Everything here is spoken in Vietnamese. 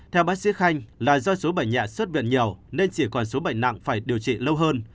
theo bác sĩ khanh là do số bệnh nhạ xuất viện nhiều nên chỉ còn số bệnh nặng phải điều trị lâu hơn